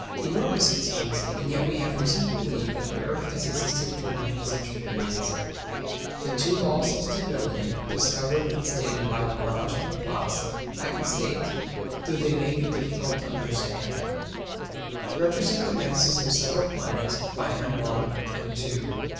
Enormous it seems; and yet we have reason to believe that the earth has existed through many such periods. The two laws of stability discovered and stated by Lagrange and Laplace I can state, though they may be difficult to understand: Represent the masses of the several planets by m_1, m_2, &c.